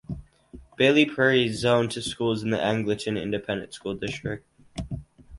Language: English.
Bailey's Prairie is zoned to schools in the Angleton Independent School District.